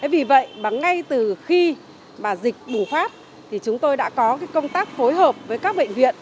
vì vậy ngay từ khi dịch bùng phát chúng tôi đã có công tác phối hợp với các bệnh viện